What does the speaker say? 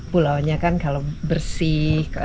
pulau nya kan kalau bersih